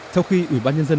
sau khi ủy ban nhân dân